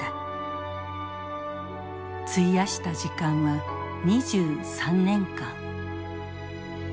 費やした時間は２３年間。